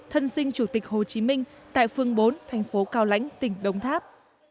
thân sinh chủ tịch hồ chí minh tại phương bốn thành phố cao lãnh tỉnh đồng tháp